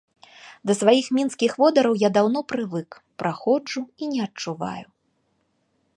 Да сваіх мінскіх водараў я даўно прывык, праходжу і не адчуваю.